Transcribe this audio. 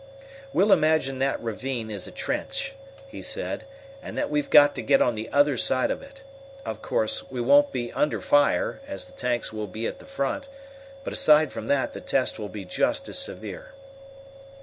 "We'll imagine that ravine is a trench," he said, "and that we've got to get on the other side of it. Of course, we won't be under fire, as the tanks will be at the front, but aside from that the test will be just as severe."